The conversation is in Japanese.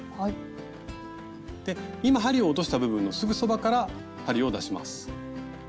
今針を落とした部分のすぐそばから針を出します。